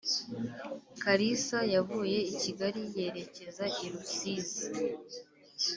Kalisa yavuye i Kigali yerekeza Irusizi